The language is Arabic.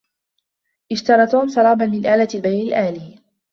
اشترى توم شرابا من آلة البيع الآلي.